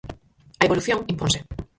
A evolución imponse.